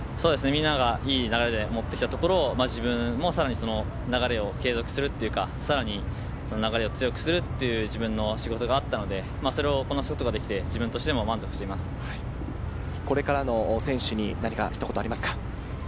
みんながいい流れでもってきたところを自分もさらに流れを継続するというか、さらに流れを強くする自分の仕事があったので、それをすることができて自分でもこれからの選手にひとこと、ありますか？